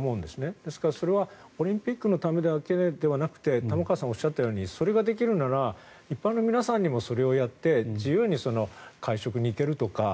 ですから、それはオリンピックのためだけではなく玉川さんがおっしゃったようにそれができるなら一般の皆さんにもそれをやって自由に会食に行けるとか。